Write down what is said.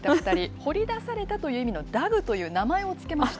掘り出されたという意味のダグという名前を付けました。